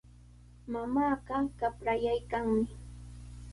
Mamaaqa qaprayaykanmi.